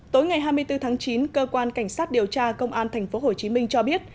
tối ngày hai mươi bốn tháng chín cơ quan cảnh sát điều tra công an tp hcm cho biết